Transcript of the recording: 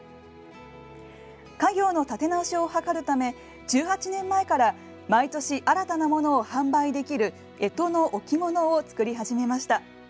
家業の立て直しを図るため１８年前から毎年新たなものを販売できるえとの置物を作り始めました。